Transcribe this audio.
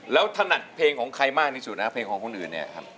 แล้วถนัดเพลงของใครมากที่สุดนะเพลงของคนอื่นเนี่ยครับ